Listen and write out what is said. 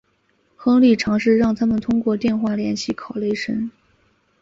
亨利尝试让他们通过电话联系考雷什。